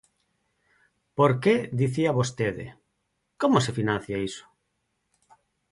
Porque dicía vostede: ¿como se financia iso?